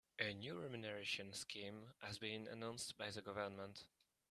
A new renumeration scheme has been announced by the government.